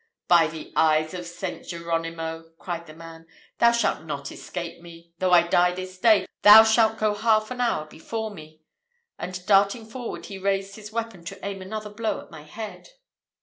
"By the eyes of St. Jeronimo!" cried the man, "thou shalt not escape me though I die this day, thou shalt go half an hour before me!" and darting forward he raised his weapon to aim another blow at my head.